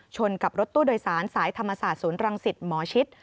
กับรถตู้โดยสารสายธรรมศาสตร์ศูนย์รังสิตหมอชิด